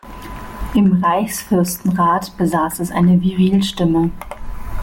Im Reichsfürstenrat besaß es eine Virilstimme.